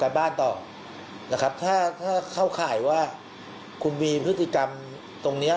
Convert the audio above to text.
บ้านต่อนะครับถ้าถ้าเข้าข่ายว่าคุณมีพฤติกรรมตรงเนี้ย